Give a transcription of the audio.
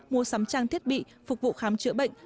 mua sắm trang thiết bị phục vụ khám chữa bệnh